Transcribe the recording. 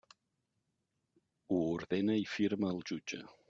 Ho ordena i firma el jutge.